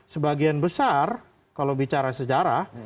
sebagian besar kalau bicara sejarah